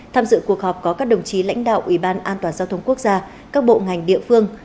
tham dự cuộc họp có các đồng chí lãnh đạo ủy ban an toàn giao thông quốc gia các bộ ngành địa phương